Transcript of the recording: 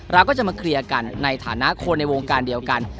เราก็จะมาเคลียร์กันในฐานะคนในวงการเดียวกัน